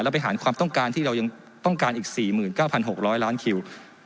ไปหารความต้องการที่เรายังต้องการอีก๔๙๖๐๐ล้านคิว